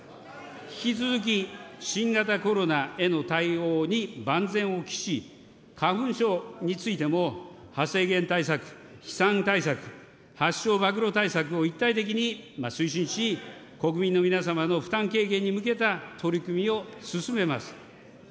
引き続き、新型コロナへの対応に万全を期し、花粉症についても、発生源対策、飛散対策、発症・暴露対策を一体的に推進し、国民の皆様の負担軽減に向けた取り組みを進めます。